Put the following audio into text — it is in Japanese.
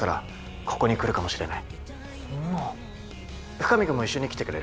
深水君も一緒に来てくれる？